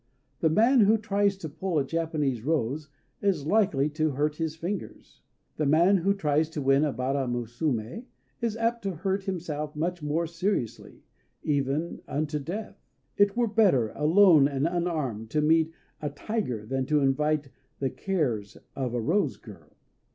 The man who tries to pull a Japanese rose is likely to hurt his fingers. The man who tries to win a Bara Musumé is apt to hurt himself much more seriously, even unto death. It were better, alone and unarmed, to meet a tiger than to invite the caress of a Rose Girl.